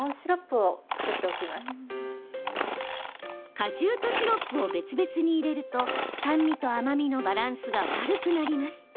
果汁とシロップを別々に入れると酸味と甘みのバランスが悪くなります。